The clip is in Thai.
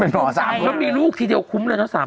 แล้วพูดใจนะพูดใจมีลูกทีเดียวคุ้มเลย๓คนแล้ว